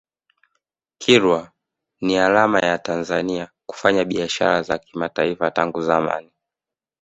kilwa ni alama ya tanzania kufanya biashara za kimataifa tangu zamani